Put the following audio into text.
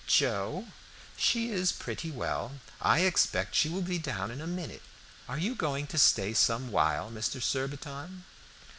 "Joe? She is pretty well. I expect she will be down in a minute. Are you going to stay some while, Mr. Surbiton?"